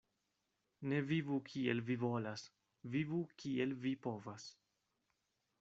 Ne vivu kiel vi volas, vivu kiel vi povas.